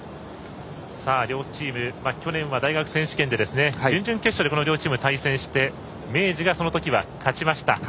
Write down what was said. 両チーム去年は大学選手権で準々決勝で、この両チーム対戦して、明治がその時は勝ちました。